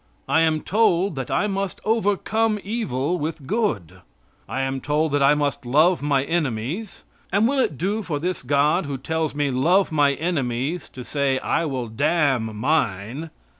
I am told that I must overcome evil with good. I am told that I must love my enemies; and will it do for this God who tells me, "Love my enemies," to say, "I will damn mine."